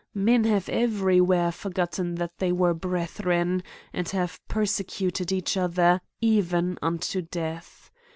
Men have every where forgotten that they were brethren, and have persecuted each other ^' even unto death."